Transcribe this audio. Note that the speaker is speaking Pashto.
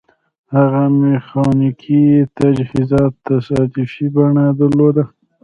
هغه میخانیکي تجهیزات تصادفي بڼه درلوده